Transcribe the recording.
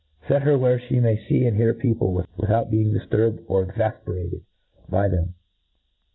Set her where flic may fee and hear people, without being difturb ed or e^afperated by them.